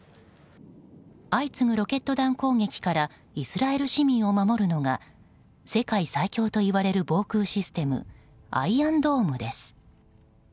相次ぐロケット弾攻撃からイスラエル市民を守るのが世界最強といわれる防空システムアイアンドームです。